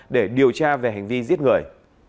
để điều tra về hành vi giết người